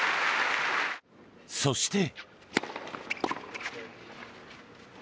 そして。